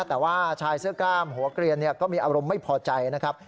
แต่ว่าชายเสื้อกล้ามหัวเกลียนก็มีอารมณ์ไม่พอใจนะครับ